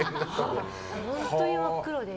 本当に真っ黒で。